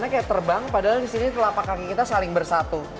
biasanya kayak terbang padahal di sini telapak kaki kita saling bersatu